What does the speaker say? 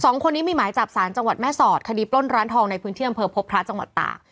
สองคนนี้มีหมายจับสารจังหวัดแม่สอดคดีปล้นร้านทองในพื้นที่อำเภอพบพระจังหวัดตาก